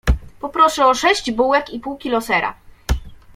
Poproszę o sześć bułek i pół kilo sera.